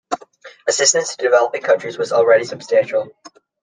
Assistance to developing countries was already substantial.